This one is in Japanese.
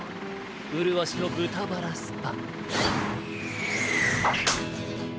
うるわしのぶたバラスパ。